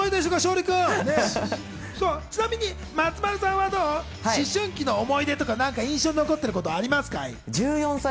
ちなみに松丸さんは思春期の思い出とか何か印象に残ってることありますか？